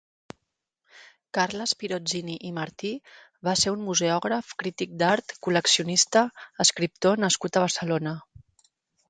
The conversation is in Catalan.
Carles Pirozzini i Martí va ser un museògraf, crític d'art, col·leccionista, escriptor nascut a Barcelona.